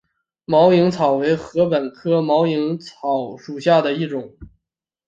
毛颖草为禾本科毛颖草属下的一个种。